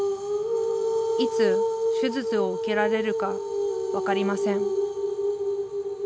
いつ手術を受けられるか分かりません